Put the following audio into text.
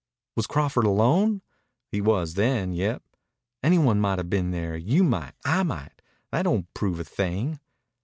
"Was Crawford alone?" "He was then. Yep." "Any one might'a' been there. You might. I might. That don't prove a thing."